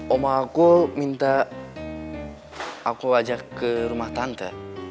omah aku minta aku ajak ke rumah tante